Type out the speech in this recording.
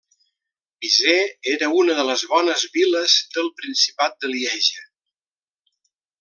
Visé era una de les bones viles del principat de Lieja.